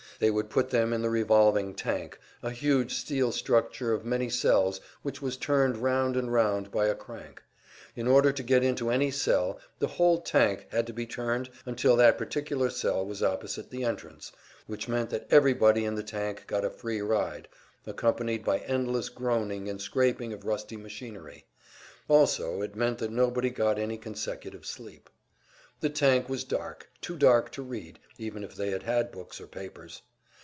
They would put them in the revolving tank, a huge steel structure of many cells which was turned round and round by a crank. In order to get into any cell, the whole tank had to be turned until that particular cell was opposite the entrance, which meant that everybody in the tank got a free ride, accompanied by endless groaning and scraping of rusty machinery; also it meant that nobody got any consecutive sleep. The tank was dark, too dark to read, even if they had had books or papers.